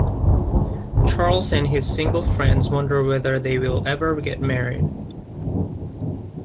Charles and his single friends wonder whether they will ever get married.